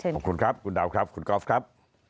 ขอบคุณครับคุณดาวครับคุณกอล์ฟครับ